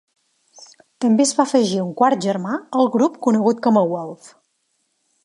També es va afegir un quart germà al grup conegut com a Wolf.